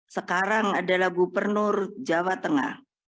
sekarang adalah gubernur jawa tengah